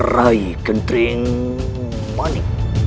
rai kentering mani